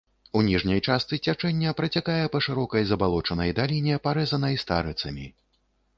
У ніжняй частцы цячэння працякае па шырокай забалочанай даліне, парэзанай старыцамі.